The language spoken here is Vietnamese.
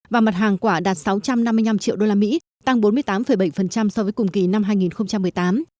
và mặt hàng quả đạt sáu trăm năm mươi năm triệu đô la mỹ tăng bốn mươi tám bảy so với cùng kỳ năm hai nghìn một mươi tám